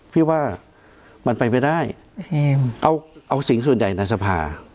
พี่ว่ามันไปไปได้เอาเสียงสุดใหญ่ในสภา